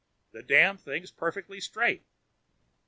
The damn thing's perfectly straight."